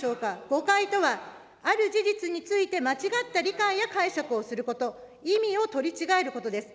誤解とは、ある事実について、間違った理解や解釈をすること、意味を取り違えることです。